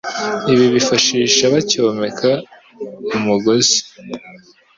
Ibi bifashisha bacyomeka umugozi